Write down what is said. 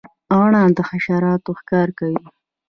غڼه د حشراتو ښکار کوي